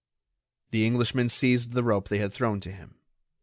The Englishman seized the rope they had thrown to him.